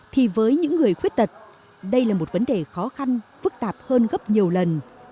thì với những người khuyết tật đây là một vấn đề khó khăn phức tạp hơn gấp nhiều lần